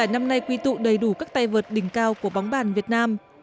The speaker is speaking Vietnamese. này quy tụ đầy đủ các tay vượt đỉnh cao của bóng bàn việt nam